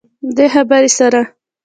دې خبرې سره